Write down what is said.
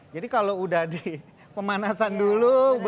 jadi kalau udah di pemanasan dulu